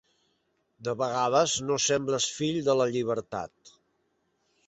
De vegades no sembles fill de la llibertat.